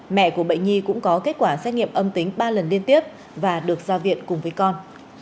mẹ của bệnh nhi cũng có kết quả xét nghiệm âm tính ba lần liên tiếp và được ra viện cùng với con